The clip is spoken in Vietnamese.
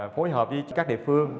phối hợp với các địa phương